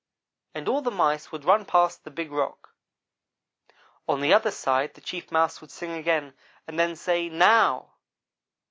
and all the mice would run past the big rock. On the other side, the Chief Mouse would sing again, and then say 'now!'